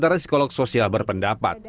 seorang psikolog sosial berpendapat